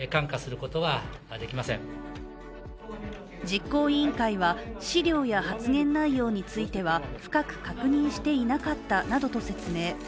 実行委員会は、資料や発言内容については深く確認していなかったなどと説明。